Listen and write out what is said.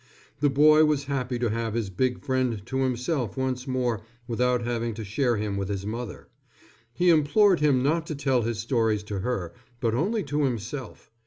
The boy was happy to have his big friend to himself once more without having to share him with his mother. He implored him not to tell his stories to her, but only to himself.